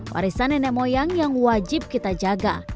warisan nenek moyang yang wajib kita jaga